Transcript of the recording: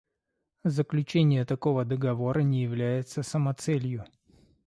Заключение такого договора не является самоцелью.